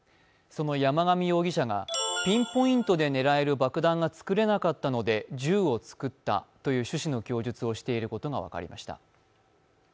その山上容疑者がピンポイントで狙える爆弾が作れなかったので銃を作ったという趣旨の供述をしていることが分かりました。